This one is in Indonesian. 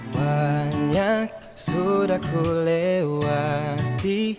banyak sudah ku lewati